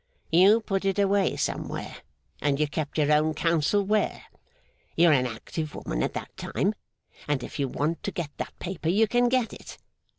You put it away somewhere, and you kept your own counsel where. You're an active woman at that time, and if you want to get that paper, you can get it.